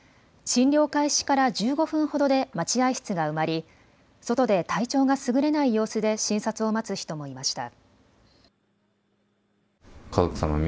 診療開始から１５分ほどで待合室が埋まり外で体調がすぐれない様子で診察を待つ人もいました。